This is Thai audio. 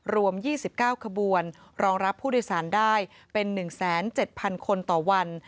รวม๒๙ขบวนรองรับผู้โดยสารได้เป็น๑๗๐๐คนต่อวัน